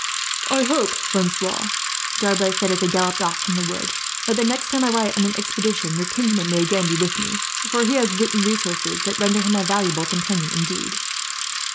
"I hope, Francois," D'Arblay said, as they galloped off from the wood, "that the next time I ride on an expedition your kinsman may again be with me, for he has wit and resources that render him a valuable companion, indeed."